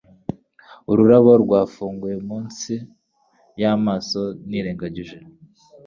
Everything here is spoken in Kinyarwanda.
Ururabo rwapfuye munsi y'amaso nirengagije